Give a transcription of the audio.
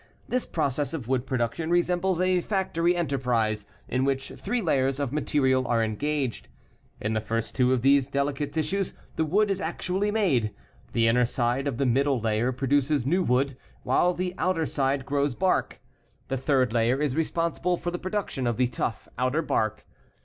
This process of wood production resembles a factory enterprise in which three layers of material are engaged. In the first two of these delicate tissues the wood is actually made. The inner side of the middle layer produces new wood while the outer side grows bark. The third layer is responsible for the production of the tough, outer bark.